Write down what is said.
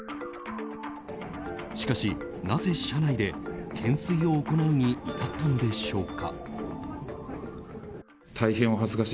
しかし、なぜ車内で懸垂を行うに至ったのでしょうか。